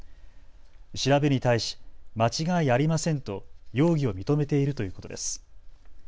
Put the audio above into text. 調べに対し間違いありませんと容疑を認めているということです。